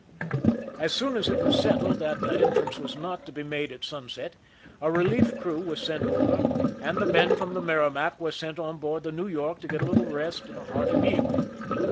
As soon as it was settled that the entrance was not to be made at sunset, a relief crew was sent over, and the men from the Merrimac were sent on board the New York to get a little rest and a hearty meal.